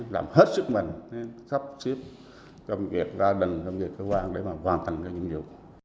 làm hết sức mạnh sắp xếp trong việc gia đình trong việc cơ quan để mà hoàn thành những điều